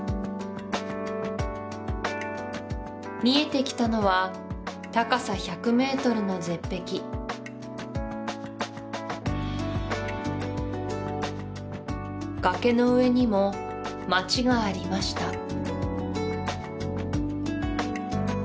見えてきたのは高さ１００ｍの絶壁崖の上にも町がありました